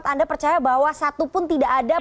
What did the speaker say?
anda percaya bahwa satu pun tidak ada